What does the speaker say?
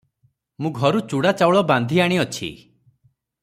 ମୁଁ ଘରୁ ଚୂଡ଼ା ଚାଉଳ ବାନ୍ଧି ଆଣିଅଛି ।